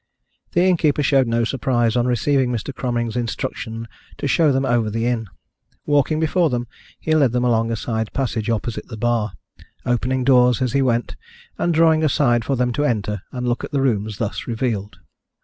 The innkeeper showed no surprise on receiving Mr. Cromering's instruction to show them over the inn. Walking before them he led them along a side passage opposite the bar, opening doors as he went, and drawing aside for them to enter and look at the rooms thus revealed.